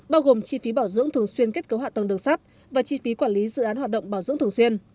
bao gồm chi phí bảo dưỡng thường xuyên kết cấu hạ tầng đường sắt và chi phí quản lý dự án hoạt động bảo dưỡng thường xuyên